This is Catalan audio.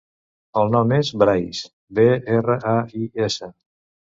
El nom és Brais: be, erra, a, i, essa.